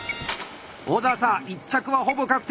小佐々１着はほぼ確定！